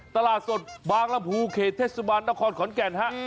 ตลาดสดบางละภูเคเทศบาลนครขอนแก่น